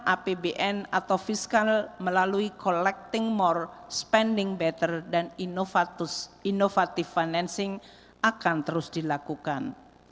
apbn atau fiskal melalui collecting more spending better dan inovatif financing akan terus dilakukan